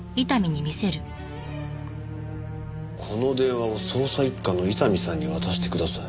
「この電話を捜査一課の伊丹さんに渡してください」